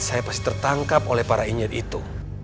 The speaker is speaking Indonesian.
saya pasti tertangkap oleh para insinyur itu